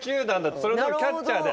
そのころキャッチャーで。